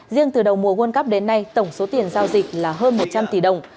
riêng từ đầu mùa world cup đến nay tổng số tiền giao dịch là hơn một trăm linh tỷ đồng